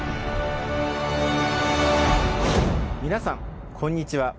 皆さんこんにちは。